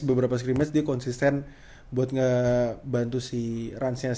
beberapa scrimmage dia konsisten buat ngebantu si rans nya